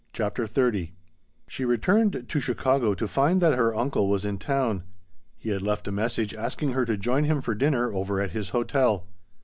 CHAPTER XXX She returned to Chicago to find that her uncle was in town. He had left a message asking her to join him for dinner over at his hotel.